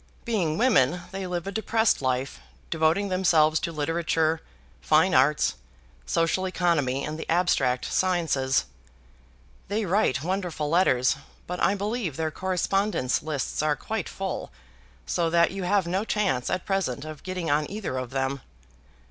Being women they live a depressed life, devoting themselves to literature, fine arts, social economy, and the abstract sciences. They write wonderful letters; but I believe their correspondence lists are quite full, so that you have no chance at present of getting on either of them."